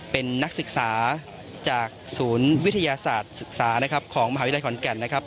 เป็นนักศึกษาจากศูนย์วิทยาศาสตร์ศึกษานะครับของมหาวิทยาลัยขอนแก่นนะครับ